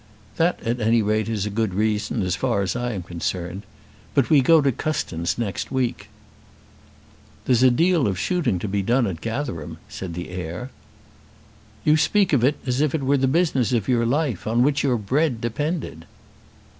"That at any rate is a good reason, as far as I am concerned. But we go to Custins next week." "There's a deal of shooting to be done at Gatherum," said the heir. "You speak of it as if it were the business of your life, on which your bread depended."